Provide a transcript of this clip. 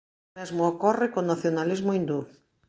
O mesmo ocorre co nacionalismo hindú.